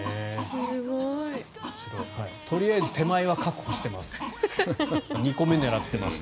とりあえず手前は確保してます。